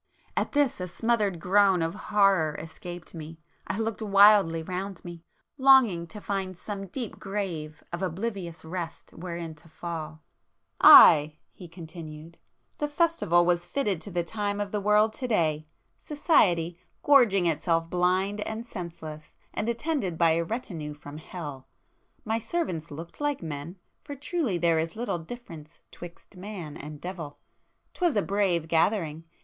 At this, a smothered groan of horror escaped me,—I looked wildly round me, longing to find some deep grave of oblivious rest wherein to fall. "Aye!" he continued—"The festival was fitted to the time of the world to day!—Society, gorging itself blind and senseless, and attended by a retinue from Hell! My servants looked like men!—for truly there is little difference 'twixt man and devil! 'Twas a brave gathering!